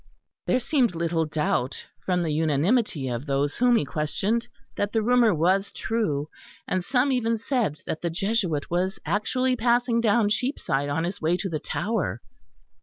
There seemed little doubt, from the unanimity of those whom he questioned, that the rumour was true; and some even said that the Jesuit was actually passing down Cheapside on his way to the Tower.